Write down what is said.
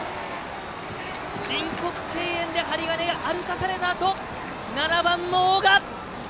申告敬遠で針金が歩かされたあと７番の大賀！